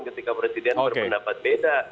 ketika presiden berpendapat beda